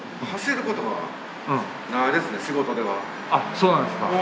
そうなんですか。